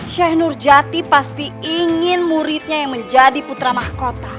sheikh nurjati pasti ingin muridnya yang menjadi putra mahkota